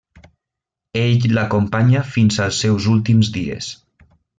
Ell l'acompanya fins als seus últims dies.